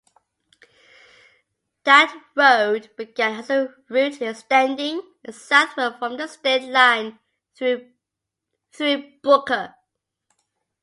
That road began as a route extending southward from the state line through Booker.